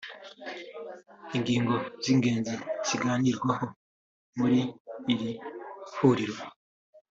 Ingingo zingenzi zaganiriweho muri iri huriro